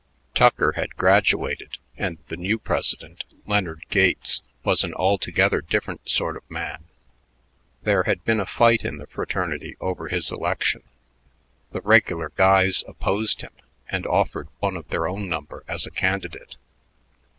Tucker had graduated, and the new president, Leonard Gates, was an altogether different sort of man. There had been a fight in the fraternity over his election. The "regular guys" opposed him and offered one of their own number as a candidate.